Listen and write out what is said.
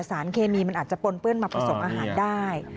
สารเคมีมันอาจจะปนเปื้อนมาผสมอาหารได้